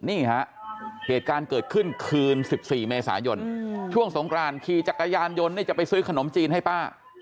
นี่ฮะเหตุการณ์เกิดขึ้นคืน๑๔เมษายนช่วงสงกรานขี่จักรยานยนต์จะไปซื้อขนมจีนให้ป้า